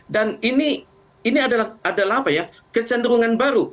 dan ini adalah kecenderungan baru